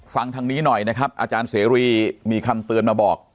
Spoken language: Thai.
ฟังทางนี้หน่อยนะครับอาจารย์เสรีมีคำเตือนมาบอก